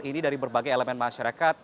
ini dari berbagai elemen masyarakat